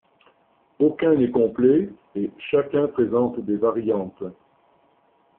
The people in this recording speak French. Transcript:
Aucun n'est complet, et chacun présente des variantes.